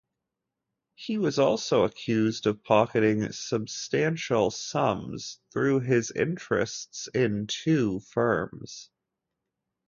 He was also accused of pocketing "substantial sums" through his interests in two firms.